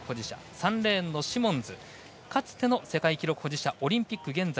３レーンのシモンズかつての世界記録保持者パラリンピック